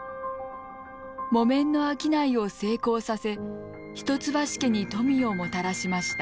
木綿の商いを成功させ一橋家に富をもたらしました。